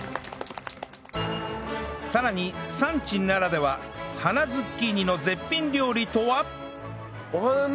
さらに産地ならでは花ズッキーニの絶品料理とは？